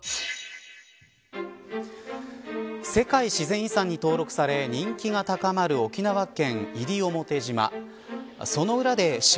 世界自然遺産に登録され人気が高まる沖縄県西表島。